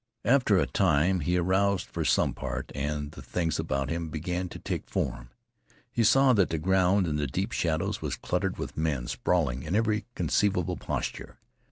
After a time he aroused, for some part, and the things about him began to take form. He saw that the ground in the deep shadows was cluttered with men, sprawling in every conceivable posture.